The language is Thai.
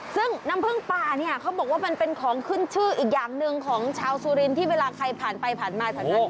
ซึ่งน้ำผึ้งป่าเนี่ยเขาบอกว่ามันเป็นของขึ้นชื่ออีกอย่างหนึ่งของชาวสุรินที่เวลาใครผ่านไปผ่านมาแถวนั้น